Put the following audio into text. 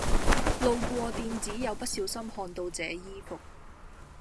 路過店子又不小心看到這衣服